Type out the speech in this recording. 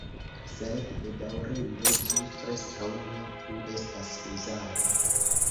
Sed bedaŭrinde, ĝi preskaŭ ne plu estas uzata.